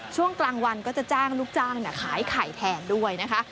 ช่วงกลางวันก็จะจ้างลูกจ้างขายไข่แทนด้วยนะคะ